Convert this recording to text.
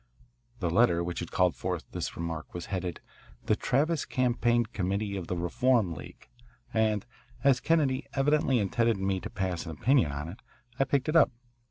The letter which had called forth this remark was headed, "The Travis Campaign Committee of the Reform League," and, as Kennedy evidently intended me to pass an opinion on it, I picked it up.